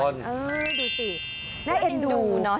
ดูสิแน่เอ็ดดูนะ